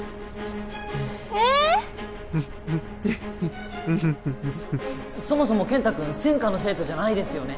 えーっフッフッフッフそもそも健太君専科の生徒じゃないですよね